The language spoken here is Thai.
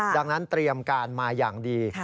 ดังนั้นเตรียมการมาอย่างดี